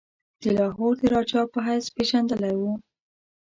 د لاهور د راجا په حیث پيژندلی وو.